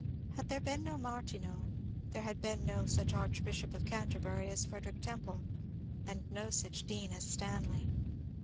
Had there been no Martineau there had been no such Archbishop of Canterbury as Frederick Temple, and no such Dean as Stanley.